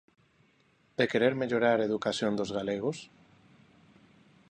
¿De querer mellorar a educación dos galegos?